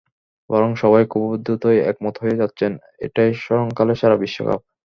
বরং সবাই খুব দ্রুতই একমত হয়ে যাচ্ছেন, এটাই স্মরণকালের সেরা বিশ্বকাপ।